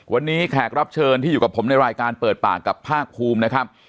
วันนี้แขกรับเชิญที่อยู่กับผมในรายการเปิดปากกับภาคภูมินะครับ